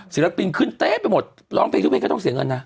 ศิลปินขึ้นเต๊ะไปหมดร้องเพลงทุกเพลงก็ต้องเสียเงินนะ